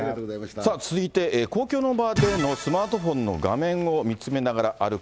さあ、続いて公共の場でのスマートフォンの画面を見つめながら歩く